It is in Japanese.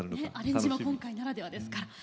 アレンジも今回ならではですから。